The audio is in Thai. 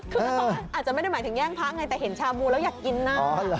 คือตอนนั้นอาจจะไม่ได้หมายถึงแย่งพระไงแต่เห็นชาบูแล้วอยากกินหน้า